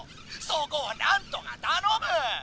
そこを何とか頼む！